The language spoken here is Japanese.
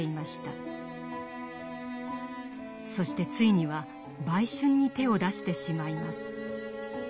そしてついには売春に手を出してしまいます。